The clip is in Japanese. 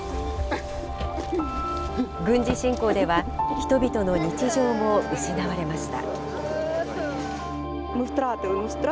軍事侵攻では、人々の日常も失われました。